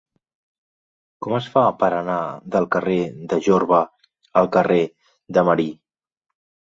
Com es fa per anar del carrer de Jorba al carrer de Marí?